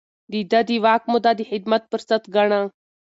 ده د واک موده د خدمت فرصت ګاڼه.